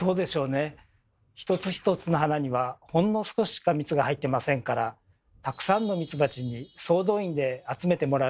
一つ一つの花にはほんの少ししか蜜が入ってませんからたくさんのミツバチに総動員で集めてもらうしかないんです。